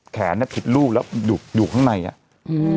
แขนเนี่ยผิดรูปแล้วดูดูข้างในอ่ะอือ